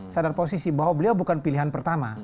sadar posisi bahwa beliau bukan pilihan pertama